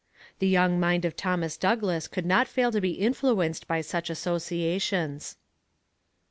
The young mind of Thomas Douglas could not fail to be influenced by such associations.